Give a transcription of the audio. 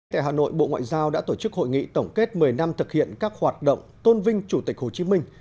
tại hà nội bộ ngoại giao đã tổ chức hội nghị tổng kết một mươi năm thực hiện các hoạt động tôn vinh chủ tịch hồ chí minh